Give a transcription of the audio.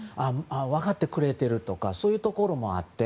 分かってくれてるとかそういうところもあって。